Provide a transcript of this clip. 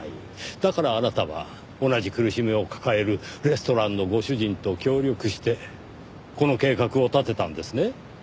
だからあなたは同じ苦しみを抱えるレストランのご主人と協力してこの計画を立てたんですね？